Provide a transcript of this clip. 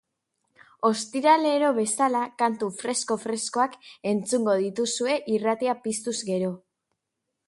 Ostiralero bezala, kantu fresko-freskoak entzungo dituzue irratia piztuz gero.